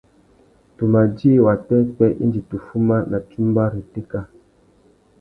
Tu ma djï wapwêpwê indi tu fuma na tsumba râ itéka.